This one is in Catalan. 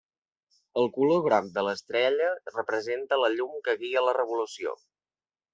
El color groc de l'estrella representa la llum que guia la revolució.